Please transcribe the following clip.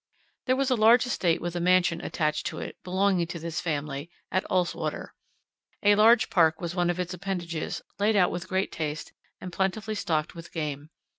There was a large estate with a mansion attached to it, belonging to this family, at Ulswater. A large park was one of its appendages, laid out with great taste, and plentifully stocked with game.